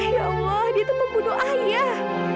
ya allah dia itu pembunuh ayah